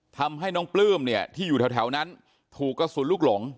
ทำให้น้องปลื้มเนี่ยที่อยู่แถวนั้นถูกกระสุนลูกหลง